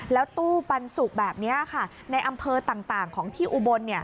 แล้วตู้ปันสุกแบบนี้ค่ะในอำเภอต่างของที่อุบล